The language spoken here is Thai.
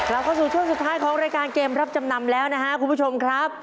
เข้าสู่ช่วงสุดท้ายของรายการเกมรับจำนำแล้วนะครับคุณผู้ชมครับ